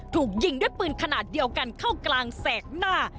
ถูกยิงด้วยปืนขนาดเดียวกันเข้ากลางแสกหน้า